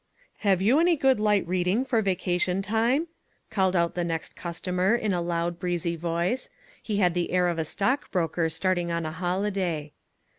"Have you any good light reading for vacation time?" called out the next customer in a loud, breezy voice he had the air of a stock broker starting on a holiday.